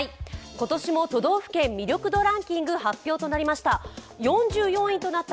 今年も都道府県魅力度ランキングが発表となりました。